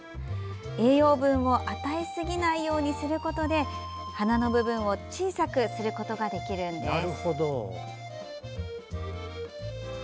栄養分を与えすぎないようにすることで花の部分を小さくすることができるんです。